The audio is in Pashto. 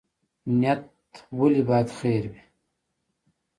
نیت ولې باید خیر وي؟